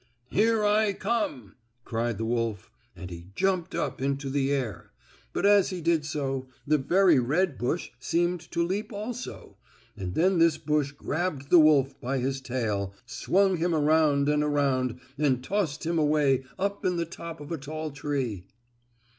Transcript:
"Here I come!" cried the wolf, and he jumped up into the air. But, as he did so the very red bush seemed to leap also, and then this bush grabbed the wolf by his tail, swung him around and around and tossed him away up in the top of a tall tree.